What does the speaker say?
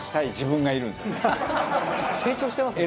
成長してますね。